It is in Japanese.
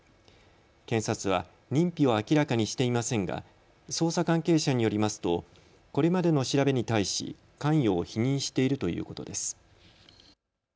検察は認否を明らかにしていませんが捜査関係者によりますとこれまでの調べに対し関与を否認しているということです。